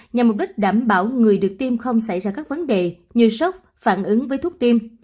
nhằm mục đích đảm bảo người được tiêm không xảy ra các vấn đề như sốc phản ứng với thuốc tim